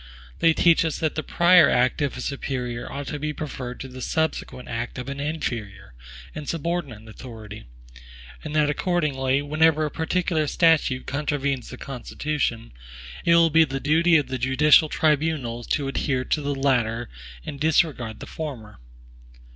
They teach us that the prior act of a superior ought to be preferred to the subsequent act of an inferior and subordinate authority; and that accordingly, whenever a particular statute contravenes the Constitution, it will be the duty of the judicial tribunals to adhere to the latter and disregard the former.